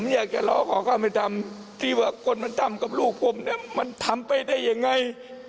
อย่าล้อขอคำให้ทำที่ว่ากฏมันทำกับลูกผมมันทำไปได้ยังไง